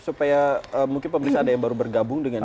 supaya mungkin pemerintah ada yang baru bergabung dengan ini